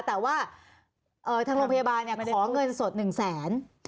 แต่ว่าทางโรงพยาบาลขอเงินสด๑แสน